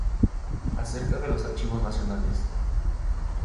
Acerca de los Archivos Nacionales